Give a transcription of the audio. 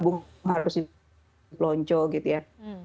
kalau mau hubung harus di pelonco gitu ya